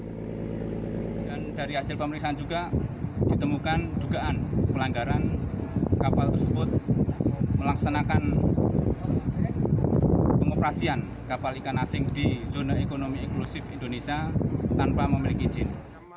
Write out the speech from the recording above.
dan dari hasil pemeriksaan juga ditemukan dugaan pelanggaran kapal tersebut melaksanakan pengoperasian kapal ikan asing di zona ekonomi eksklusif indonesia tanpa memiliki izin